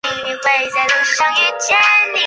孵溪蟾只曾发现在未开发的雨林出现。